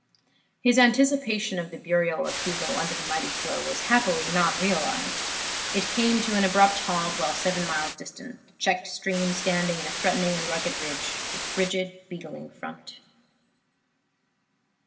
His anticipation of the burial of Hilo under the mighty flow was happily not realized. It came to an abrupt halt while seven miles distant, the checked stream standing in a threatening and rugged ridge, with rigid, beetling front.